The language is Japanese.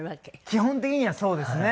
基本的にはそうですね。